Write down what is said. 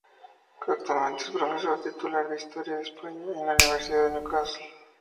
Actualmente es profesor titular de Historia de España en la Universidad de Newcastle.